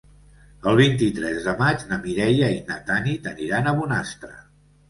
El vint-i-tres de maig na Mireia i na Tanit aniran a Bonastre.